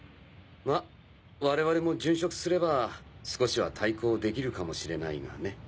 ま我々も殉職すれば少しは対抗できるかもしれないがね。